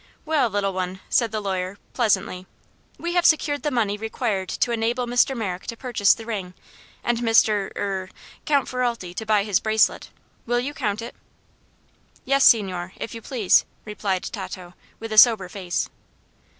"Well, little one," said the lawyer, pleasantly, "We have secured the money required to enable Mr. Merrick to purchase the ring, and Mr. er Count Ferralti to buy his bracelet. Will you count it?" "Yes, signore, if you please," replied Tato, with a sober face.